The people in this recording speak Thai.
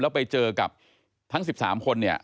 แล้วไปเจอกับทั้ง๑๓คนเนี่ย